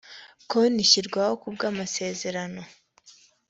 konti ishyirwaho ku bw amasezerano